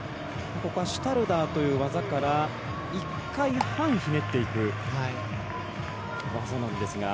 ここはシュタルダーという技から１回半ひねっていく技なんですが。